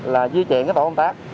là di chuyển cái tổ công tác